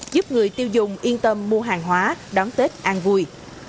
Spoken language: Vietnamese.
giúp người tiêu dùng yên tâm mua hàng hóa đón tết an vui